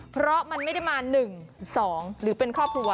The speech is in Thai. เพราะมันไม่ได้มา๑๒หรือเป็นครอบครัว